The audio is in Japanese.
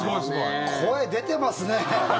声出てますね。